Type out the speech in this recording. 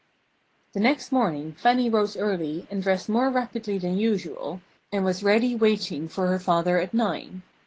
The next morning Fannie rose early and dressed more rapidly than usual, and was ready waiting for her father at nine.